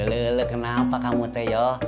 leluh kenapa kamu teh yuk